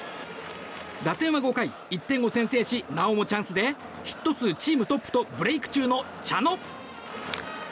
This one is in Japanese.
打線は５回、１点を先制しなおもチャンスでヒット数チームトップとブレーク中の茶野。